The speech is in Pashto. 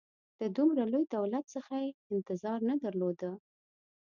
د دومره لوی دولت څخه یې انتظار نه درلود.